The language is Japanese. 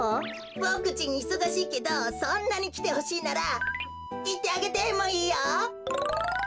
ぼくちんいそがしいけどそんなにきてほしいならいってあげてもいいよ！